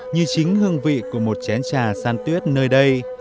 như chính hương vị của một chén trà san tuyết nơi đây